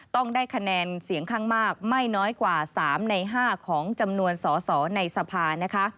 ต้องได้คะแนนเสียงข้างมากไม่น้อยกว่า๓ใน๕ของจำนวนสอสอในสภานะคะ